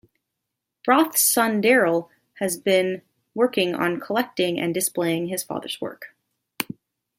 Roth's son Darryl has been working on collecting and displaying his father's work.